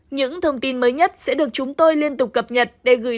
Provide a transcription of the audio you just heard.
những thông tin mới nhất sẽ được chúng tôi liên tục cập nhật